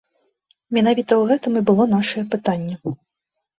Менавіта ў гэтым і было нашае пытанне.